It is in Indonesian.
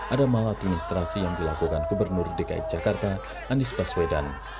ada malat administrasi yang dilakukan kebernur dki jakarta anies baswedan